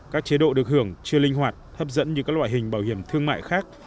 các chế độ được hưởng chưa linh hoạt hấp dẫn như các loại hình bảo hiểm thương mại khác